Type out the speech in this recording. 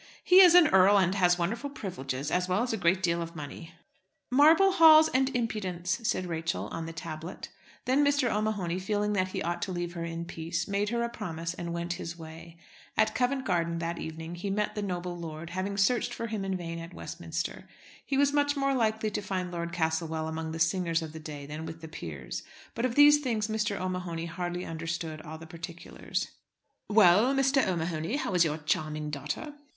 "He is an earl, and has wonderful privileges, as well as a great deal of money." "Marble halls and impudence," said Rachel on the tablet. Then Mr. O'Mahony, feeling that he ought to leave her in peace, made her a promise, and went his way. At Covent Garden that evening he met the noble lord, having searched for him in vain at Westminster. He was much more likely to find Lord Castlewell among the singers of the day, than with the peers; but of these things Mr. O'Mahony hardly understood all the particulars. "Well, O'Mahony, how is your charming daughter?"